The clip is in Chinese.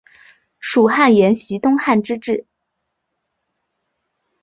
蜀汉沿袭东汉之制。